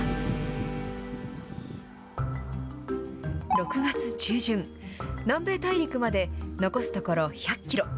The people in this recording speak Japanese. ６月中旬、南米大陸まで残すところ１００キロ。